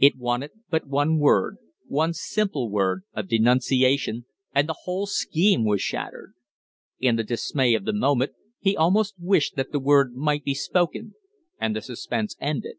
It wanted but one word, one simple word of denunciation, and the whole scheme was shattered. In the dismay of the moment, he almost wished that the word might be spoken and the suspense ended.